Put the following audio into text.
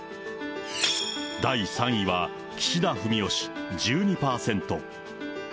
第３位は、岸田文雄氏１２％。